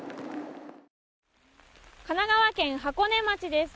神奈川県箱根町です。